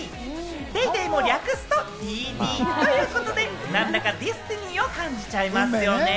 『ＤａｙＤａｙ．』も略すと「ＤＤ」！ということで、なんだかデスティニーを感じちゃいますよね。